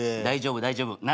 大丈夫大丈夫。